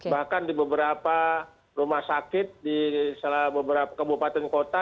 bahkan di beberapa rumah sakit di salah beberapa kabupaten kota